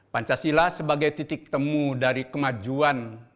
pancasila sebagai titik temu dari kemajuan